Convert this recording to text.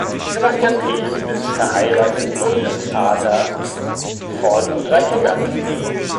Sebastian Peetz ist verheiratet und ist Vater von drei Kindern.